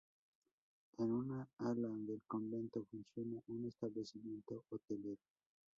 En una ala del convento funciona un establecimiento hotelero.